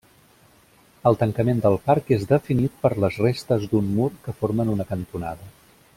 El tancament del parc és definit per les restes d'un mur que formen una cantonada.